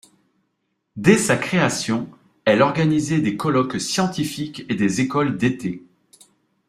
Dès sa création, elle organisait des colloques scientifiques et des écoles d'été.